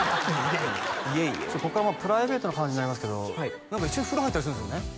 いえいえここからプライベートの話になりますけど一緒に風呂入ったりするんですよね？